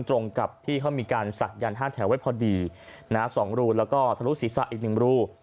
ตรงกับที่เขามีการศักดัน๕แถวไว้พอดี๒รูแล้วก็ทะลุศีรษะอีก๑รู